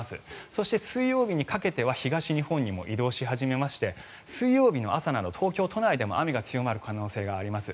そして、水曜日にかけては東日本にも移動し始めまして水曜日の朝など東京都内でも雨が強まる恐れがあります。